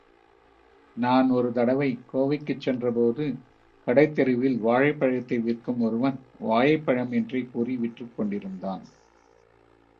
நான் ஒருதடவை கோவைக்கு சென்றபோது—கடைத்தெருவில்—வாழைப்பழத்தை விற்கும் ஒருவன், வாயப்பயம் —என்றே கூறி விற்றுக் கொண்டிருந்தான்.